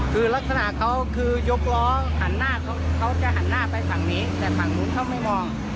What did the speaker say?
คือลักษณะเขาคือยกล้อหันหน้าเขาจะหันหน้าไปฝั่งนี้แต่ฝั่งนู้นเขาไม่มอง